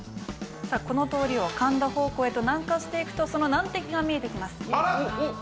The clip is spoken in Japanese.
この通りを神田方向へと南下していくとその難敵が見えてきます。